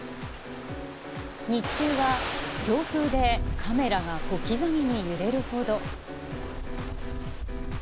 日中は強風でカメラが小刻みに揺れるほど。